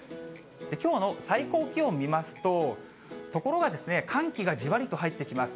きょうの最高気温を見ますと、ところがですね、寒気がじわりと入ってきます。